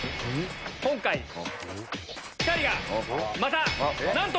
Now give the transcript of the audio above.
今回ピタリがまたなんと！